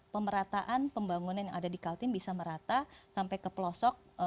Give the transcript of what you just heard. pemerataan pembangunan yang ada di kaltim bisa merata sampai ke pelosok